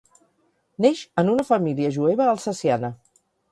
Neix en una família jueva alsaciana.